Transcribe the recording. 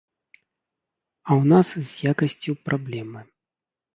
А ў нас з якасцю праблемы.